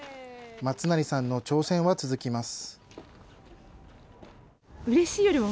松成さんの挑戦は続きます。